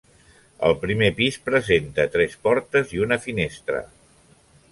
Al primer pis presenta tres portes i una finestra.